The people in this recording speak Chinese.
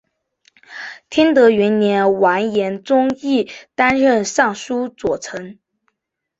天德元年完颜宗义担任尚书左丞。